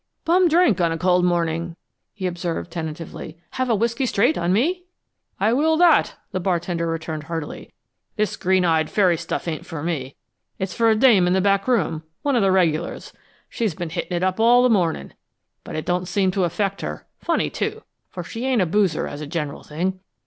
"Bum drink on a cold morning," he observed tentatively. "Have a whisky straight, on me?" "I will that!" the bartender returned heartily. "This green eyed fairy stuff ain't for me; it's for a dame in the back room one of the regulars. She's been hittin' it up all the morning, but it don't seem to affect her funny, too, for she ain't a boozer, as a general thing.